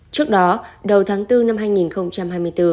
trước đó đầu tháng bốn năm hai nghìn hai mươi bốn